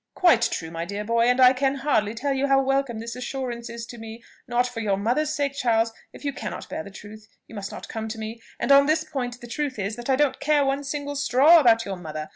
"Quite true, my dear boy, and I can hardly tell you how welcome this assurance is to me not for your mother's sake, Charles; if you cannot bear the truth, you must not come to me, and on this point the truth is, that I don't care one single straw about your mother.